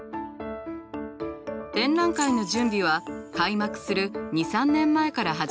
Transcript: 展覧会の準備は開幕する２３年前から始まります。